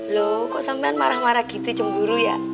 loh kok sampai marah marah gitu cemburu ya